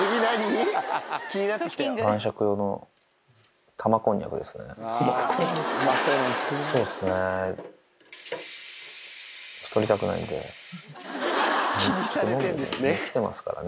晩酌用の玉こんにゃくですね。